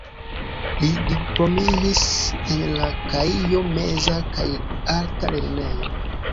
Li diplomiĝis en la Kaijo-meza kaj alta lernejo.